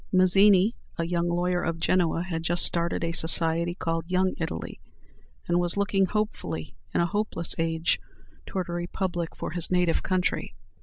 Mazzini, a young lawyer of Genoa, had just started a society called "Young Italy," and was looking hopefully, in a hopeless age, toward a republic for his native country.